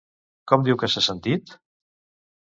Com diu que s'ha sentit?